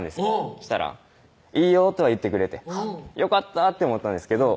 そしたら「いいよ」とは言ってくれてよかったって思ったんですけど